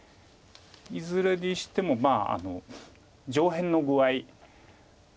いずれにしても上辺の具合。